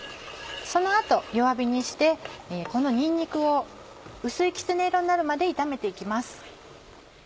その後弱火にしてこのにんにくを薄いきつね色になるまで炒めて行きます。